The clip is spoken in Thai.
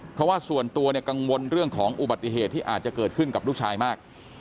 เพราะว่าส่วนตัวเนี่ยกังวลเรื่องของอุบัติเหตุที่อาจจะเกิดขึ้นกับลูกชายมาก